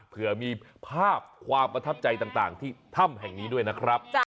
เผื่อมีภาพความประทับใจต่างที่ถ้ำแห่งนี้ด้วยนะครับ